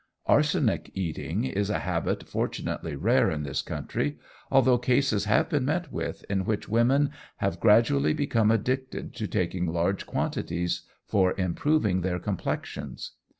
Arsenic eating is a habit fortunately rare in this country, although cases have been met with in which women have gradually become addicted to taking large quantities for improving their complexions.